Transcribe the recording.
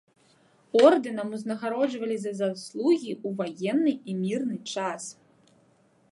Ордэнам узнагароджвалі за заслугі ў ваенны і мірны час.